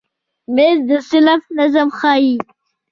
مېز د صنف نظم ښیي.